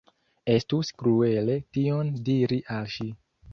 Estus kruele tion diri al ŝi.